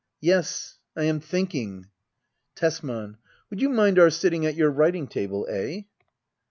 Yes, I am thinking. Tesman. Would you mind our sitting at your writing toble— eh